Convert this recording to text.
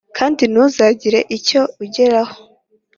kandi ntuzagira icyo ugeraho.